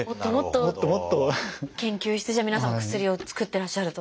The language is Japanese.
もっともっと研究してじゃあ皆さんもお薬を作ってらっしゃると。